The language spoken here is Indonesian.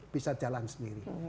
bisa jalan sendiri